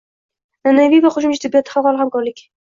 An’anaviy va qo‘shimcha tibbiyotda xalqaro hamkorlik